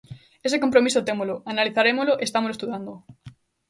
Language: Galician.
Ese compromiso témolo, analizarémolo, e estámolo estudando.